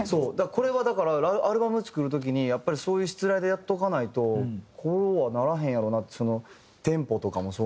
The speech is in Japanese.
これはだからアルバム作る時にやっぱりそういう設えでやっておかないとこうはならへんやろなってテンポとかもそうなんですけど。